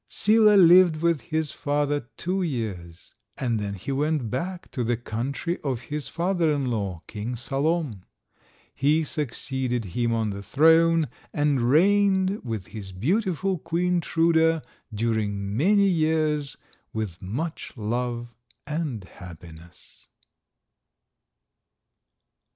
Sila lived with his father two years, and then he went back to the country of his father in law, King Salom. He succeeded him on the throne, and reigned with his beautiful Queen Truda, during many years, with much love and happiness.